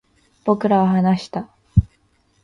僕らは話した